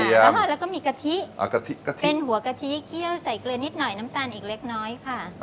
แล้วก็มีกะทิเป็นหัวกะทิเคี่ยวใส่เกลือนิดหน่อยน้ำตาลอีกเล็กน้อยค่ะ